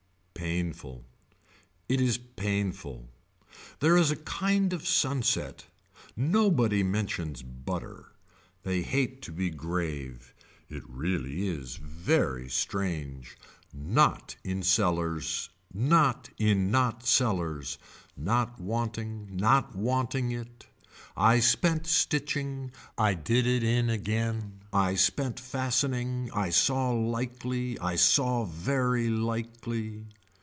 Painful. It is painful. There is a kind of sunset, nobody mentions butter. They hate to be grave. It really is very strange. Not in cellars. Not in not cellars. Not wanting, not wanting it. I spent stitching. I did it in again. I spent fastening. I saw likely. I saw very likely.